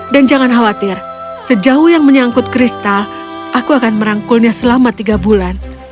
dan jangan khawatir sejauh yang menyangkut kristal aku akan merangkulnya selama tiga bulan